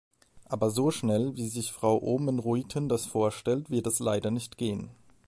Aber so schnell, wie sich Frau Oomen-Ruijten das vorstellt, wird es leider nicht gehen.